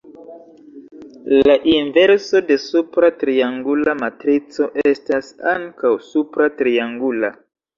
La inverso de supra triangula matrico estas ankaŭ supra triangula.